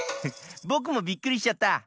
ぼくもびっくりしちゃった。